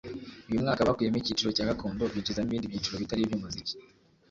uyu mwaka bakuyemo icyiciro cya gakondo binjizamo ibindi byiciro bitari iby’umuziki